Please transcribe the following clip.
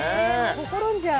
ほころんじゃう。